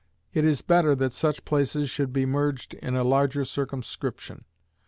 It is better that such places should be merged in a larger circumscription.